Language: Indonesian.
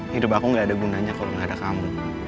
hidup aku gak ada gunanya kalo gak ada kamu